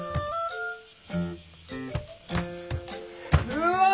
うわ！